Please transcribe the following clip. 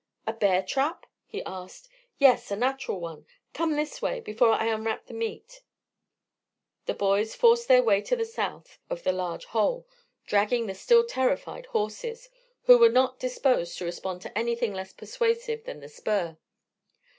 "A bear trap?" he asked. "Yes, a natural one. Come this way, before I unwrap the meat." The boys forced their way to the south of the large hole, dragging the still terrified horses, who were not disposed to respond to anything less persuasive than the spur.